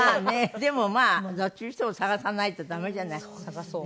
でもまあどっちにしても探さないと駄目じゃない。